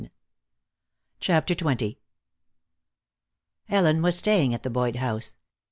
CHAPTER XX Ellen was staying at the Boyd house.